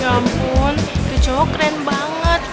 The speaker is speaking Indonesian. ya ampun itu cowok keren banget